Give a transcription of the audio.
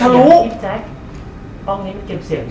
ป้องนี้มันเก็บเสียงด้วย